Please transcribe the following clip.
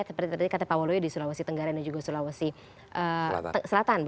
seperti tadi kata pak waluyo di sulawesi tenggara dan juga sulawesi selatan